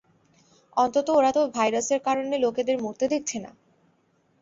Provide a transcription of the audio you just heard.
অন্তত ওরা তো ভাইরাসের কারণে লোকেদের মরতে দেখছে না।